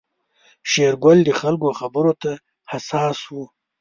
شېرګل د خلکو خبرو ته حساس و.